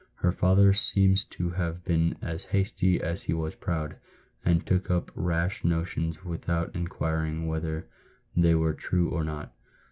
Her father seems to have been as hasty as he was proud, and took up rash notions without inquiring whether they were true or not.